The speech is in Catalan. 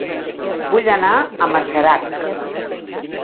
Vull anar a Masarac